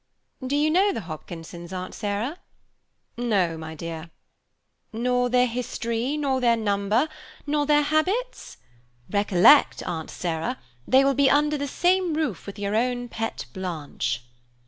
"Do you know the Hopkinsons, Aunt Sarah?" "No, my dear." "Nor their history, nor their number, nor their habits? Recollect, Aunt Sarah, they will be under the same roof with your own pet Blanche."